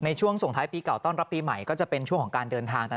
ช่วงส่งท้ายปีเก่าต้อนรับปีใหม่ก็จะเป็นช่วงของการเดินทาง